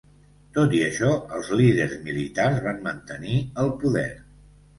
Tot i això, els líders militars van mantenir el poder.